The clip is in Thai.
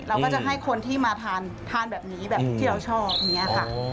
เราก็จะให้คนที่มาทานแบบนี้แบบที่เราชอบอย่างนี้ค่ะ